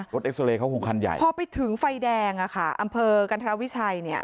เอ็กซาเรย์เขาคงคันใหญ่พอไปถึงไฟแดงอ่ะค่ะอำเภอกันธรวิชัยเนี่ย